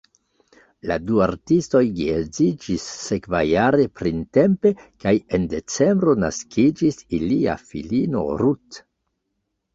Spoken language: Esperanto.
La du artistoj geedziĝis sekvajare printempe kaj en decembro naskiĝis ilia filino Ruth.